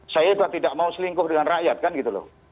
saya juga tidak mau selingkuh dengan rakyat kan gitu loh